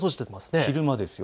昼間ですよ。